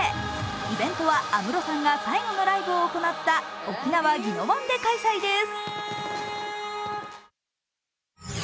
イベントは安室さんが最後のライブを行った、沖縄・宜野湾で開催です。